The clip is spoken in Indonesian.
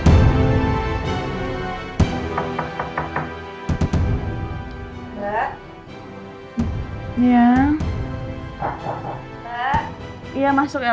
iya masuk elsa